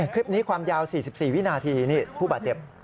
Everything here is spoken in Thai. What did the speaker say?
คลิปนี้ความยาว๔๔วินาทีนี่ผู้บาดเจ็บ